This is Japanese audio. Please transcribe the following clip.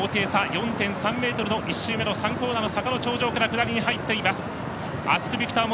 ４．３ｍの１周目の３コーナーの坂の頂上から下りに入っています。